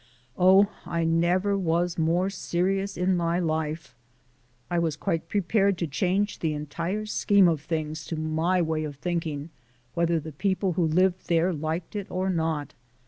Oh, I never was more serious in my life: I was quite prepared to change the entire scheme of things to my way of thinking whether the people who lived there liked it or not.